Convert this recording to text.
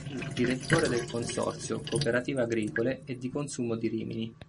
Fu direttore del Consorzio cooperative agricole e di consumo di Rimini.